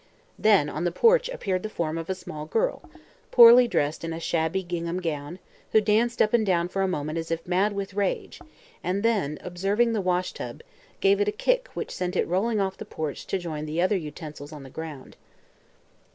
Then on the porch appeared the form of a small girl, poorly dressed in a shabby gingham gown, who danced up and down for a moment as if mad with rage and then, observing the washtub, gave it a kick which sent it rolling off the porch to join the other utensils on the ground.